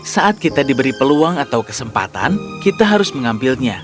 saat kita diberi peluang atau kesempatan kita harus mengambilnya